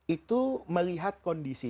itu melihat kondisi